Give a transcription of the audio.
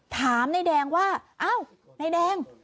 ถามนายแดงว่าอ้าวนายแดง